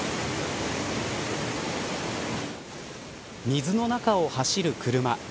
水の中を走る車。